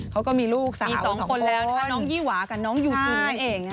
เขาก็มีลูกสาวสองคนมีสองคนแล้วน้องอีหวากับน้องอยู่ตรงนั้นเอง